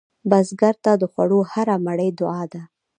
بزګر ته د خوړو هره مړۍ دعا ده